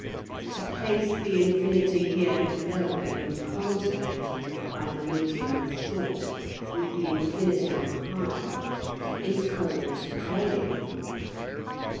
To place the infinity here below in contact, by the medium of thought, with the infinity on high, is called praying.